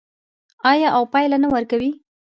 آیا او پایله نه ورکوي؟